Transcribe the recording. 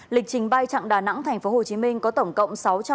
lịch trình bay chặng đà nẵng hcm có tổng cộng sáu trăm hai mươi tám